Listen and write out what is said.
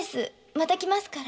また来ますから。